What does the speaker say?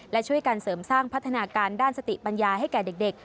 และช่วยการเสริมสร้างพัฒนาการด้านสติปัญญาให้แก่เด็ก